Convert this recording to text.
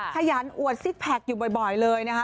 ขยันอวดซิกแพคอยู่บ่อยเลยนะคะ